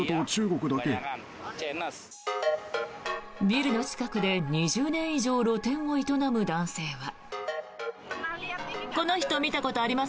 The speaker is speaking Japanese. ビルの近くで２０年以上露店を営む男性は。